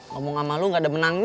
ngomong sama lu gak ada menangnya